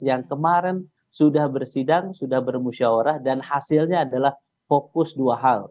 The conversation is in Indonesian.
yang kemarin sudah bersidang sudah bermusyawarah dan hasilnya adalah fokus dua hal